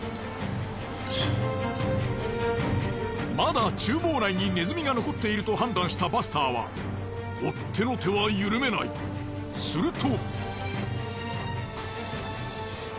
まだ厨房内にネズミが残っていると判断したバスターは追っ手の手は緩めないすると。